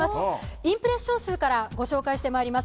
インプレッション数からご紹介してまいります。